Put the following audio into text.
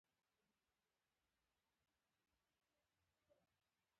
خولۍ د هنر او سلیقې ننداره ده.